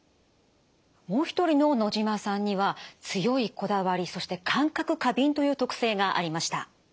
もう一人の野島さんには強いこだわりそして感覚過敏という特性がありました。